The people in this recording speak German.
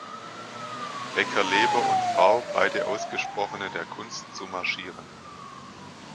Becker-Leber und Frau, beide ausgesprochene der Kunst, zu marschieren.